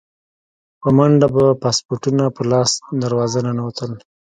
په منډه به پاسپورټونه په لاس دروازه ننوتل.